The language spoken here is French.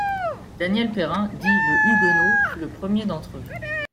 Daniel Perrin, dit le Huguenot fut le premier d'entre eux.